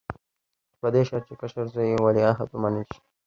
خو په دې شرط چې کشر زوی یې ولیعهد ومنل شي.